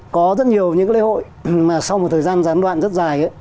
có rất nhiều những lễ hội mà sau một thời gian gián đoạn rất dài